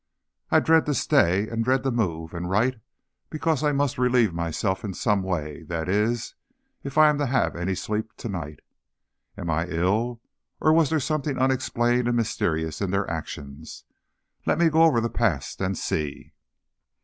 I dread to stay and dread to move and write, because I must relieve myself in some way that is, if I am to have any sleep to night. Am I ill, or was there something unexplained and mysterious in their actions? Let me go over the past and see.